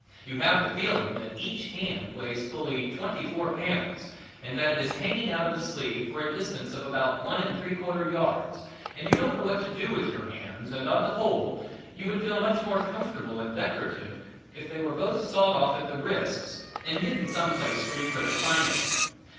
You have the feeling that each hand weighs fully twenty four pounds and that it is hanging out of the sleeve for a distance of about one and three quarters yards and you don't know what to do with your hands and on the whole would feel much more comfortable and decorative if they were both sawed off at the wrists and hidden some place where you couldn't find 'em.